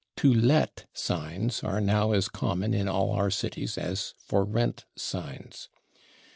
/To Let/ signs are now as common in all our cities as /For Rent/ signs.